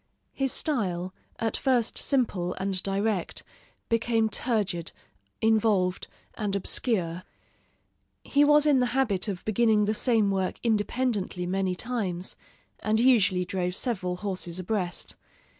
His style, at first simple and direct, became turgid, involved, and obscure. He was in the habit of beginning the same work independently many times, and usually drove several horses abreast.